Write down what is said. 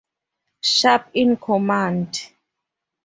Sharp in command.